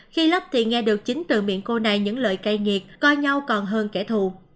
khi lắp thì nghe được chính từ miệng cô này những loại cây nhiệt coi nhau còn hơn kẻ thù